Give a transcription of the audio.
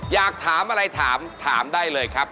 อยากถามอะไรถามถามได้เลยครับ